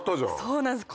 そうなんです